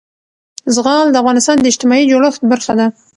زغال د افغانستان د اجتماعي جوړښت برخه ده.